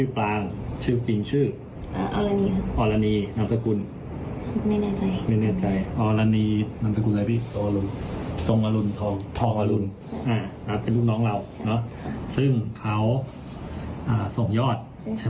เป็นยอดสรุปรายลับรายจ่าย